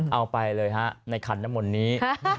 เอาไปเลยฮะในคันทั้งหมดนี้